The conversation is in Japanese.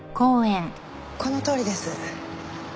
このとおりです。